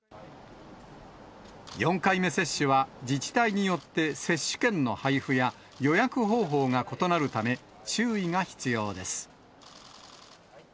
４回目接種は自治体によって接種券の配布や予約方法が異なるため、注意が必要です。